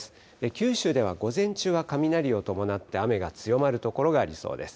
九州では午前中は雷を伴って雨が強まる所がありそうです。